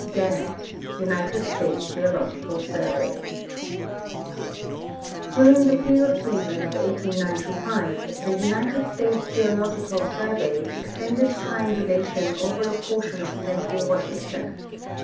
Gannett, United States Geological Survey During the field season of 1895, the United States Geological Survey extended triangulation over a portion of central Wash ington.